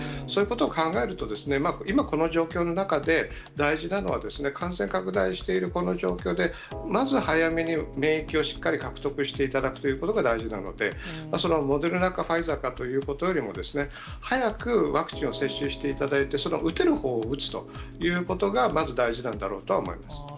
そういうことを考えると、今この状況の中で、大事なのは、感染拡大しているこの状況で、まず早めに免疫をしっかり獲得していただくということが大事なので、そのモデルナかファイザーかということよりも、早くワクチンを接種していただいて、打てる方を打つということがまず大事なんだろうとは思います。